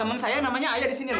temen saya namanya ayah di sini loh